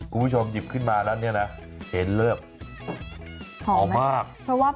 ข้างบัวแห่งสันยินดีต้อนรับทุกท่านนะครับ